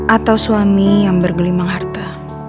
atau suami yang bergelimang harta